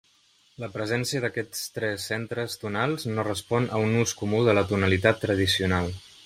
La presència d'aquests tres centres tonals no respon a un ús comú de la tonalitat tradicional.